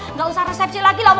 nggak usah resepsi lagi lah